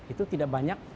itu tidak banyak